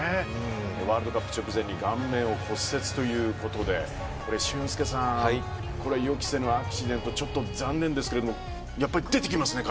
ワールドカップ直前に顔面を骨折ということで俊輔さんこれは予期せぬアクシデント残念ですけれども出てきますね